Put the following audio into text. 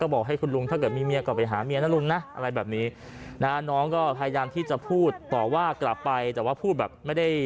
ไม่มีเมียก็ไปซื้อกินไข่มาคุยกับหนูแบบนี้